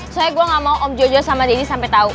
soalnya gue gak mau om jojo sama deddy sampai tau